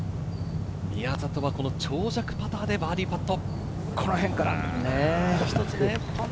宮里は長尺パターでバーディーパット。